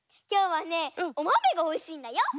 きょうはねおまめがおいしいんだよ。